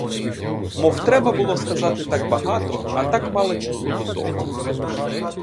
Мов треба було сказати так багато, а так мало часу до того.